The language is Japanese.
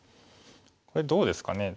これどうですかね。